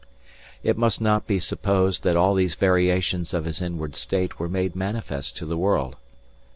It must not be supposed that all these variations of his inward state were made manifest to the world.